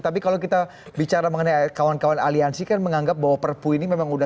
tapi kalau kita bicara mengenai kawan kawan aliansi kan menganggap bahwa perpu ini memang sudah